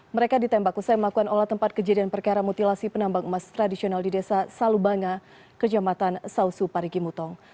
mereka ditembak usai melakukan olah tempat kejadian perkara mutilasi penambang emas tradisional di desa salubanga kejamatan sausu parigi mutong